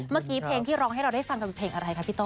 เมื่อกี้เพลงที่ร้องให้เราได้ฟังกันเป็นเพลงอะไรคะพี่โต้